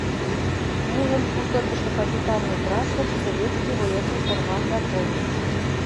Нелын сусыргышо капитан Некрасов, советский военный форман японец...